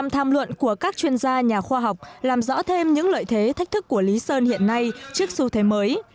hai mươi năm tham luận của các chuyên gia nhà khoa học làm rõ thêm những lợi thế thách thức của lý sơn hiện nay trước xu thế mới